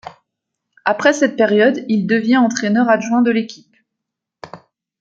Après cette période, il devient entraîneur adjoint de l'équipe.